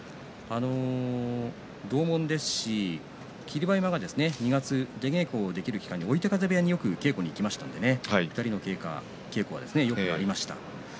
同門ですし、霧馬山が出稽古ができる期間に追手風部屋によく稽古に行きましたので２人の稽古はありました。